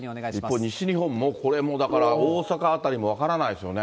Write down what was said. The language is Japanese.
一方、西日本も、これもだから大阪辺りも分からないですよね。